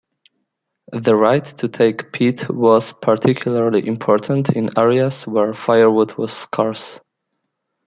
The right to take peat was particularly important in areas where firewood was scarce.